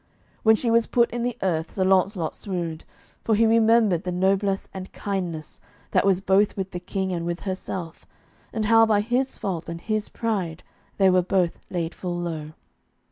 When she was put in the earth Sir Launcelot swooned, for he remembered the noblesse and kindness that was both with the King and with herself, and how by his fault and his pride they were both laid full low.